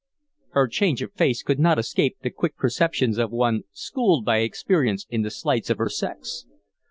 Her change of face could not escape the quick perceptions of one schooled by experience in the slights of her sex.